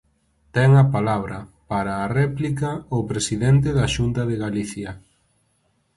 Ten a palabra, para a réplica, o presidente da Xunta de Galicia.